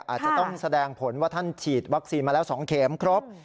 อาจจะต้องแสดงผลว่าท่านฉีดวัคซีนมาแล้ว๒เข็มครบ